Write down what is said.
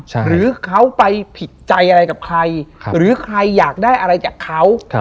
หรือใครอยากได้อะไรจากเขา